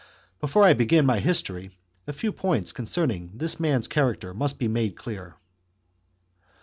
Before I begin my history, a few points concerning this man's char acter must be made clear.